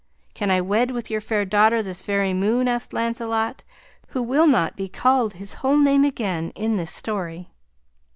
"Can I wed with your fair daughter this very moon," asked Lancelot, who will not be called his whole name again in this story.